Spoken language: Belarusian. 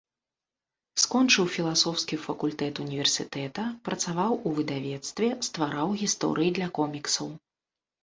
Скончыў філасофскі факультэт універсітэта, працаваў у выдавецтве, ствараў гісторыі для коміксаў.